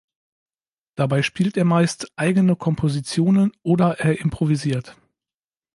Dabei spielt er meist eigene Kompositionen oder er improvisiert.